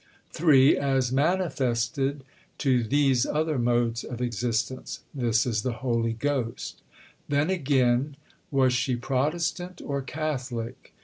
(3) As manifested to these other modes of existence. This is the Holy Ghost." Then, again, was she "Protestant" or "Catholic"?